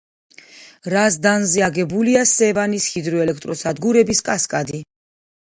რაზდანზე აგებულია სევანის ჰიდროელექტროსადგურების კასკადი.